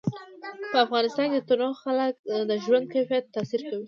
په افغانستان کې تنوع د خلکو د ژوند په کیفیت تاثیر کوي.